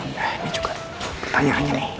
ini juga pertanyaannya nih